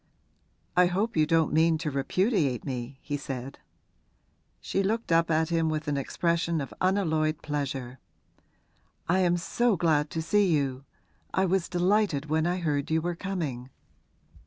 'I hope you don't mean to repudiate me,' he said. She looked up at him with an expression of unalloyed pleasure. 'I am so glad to see you. I was delighted when I heard you were coming.'